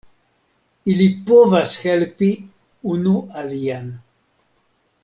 Ili povas helpi unu alian.